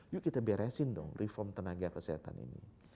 yuk kita beresin dong reform tenaga kesehatan ini